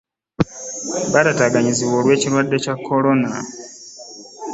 Baatataaganyizibwa olw'ekirwadde Kya Corona